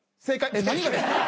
正解です。